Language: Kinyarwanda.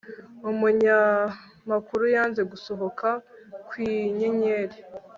Umunyamakuru yanze gusohoka kwinyenyeri